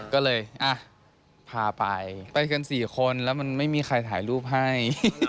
ก็เลยพาไปไปกัน๔คนแล้วมันไม่มีใครถ่ายรูปให้